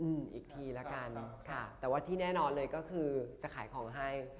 อืมอีกทีละกันค่ะแต่ว่าที่แน่นอนเลยก็คือจะขายของให้